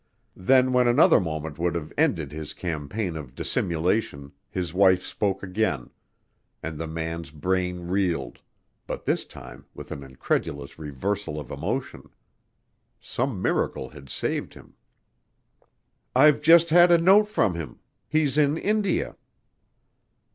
Then when another moment would have ended his campaign of dissimulation his wife spoke again, and the man's brain reeled but this time with an incredulous reversal of emotion. Some miracle had saved him! "I've just had a note from him. He's in India."